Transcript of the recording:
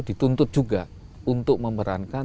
dituntut juga untuk memerankan